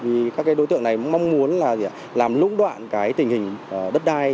vì các đối tượng này mong muốn làm lũng đoạn tình hình đất đai